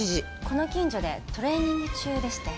この近所でトレーニング中でして。